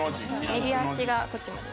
右足がこっちまで。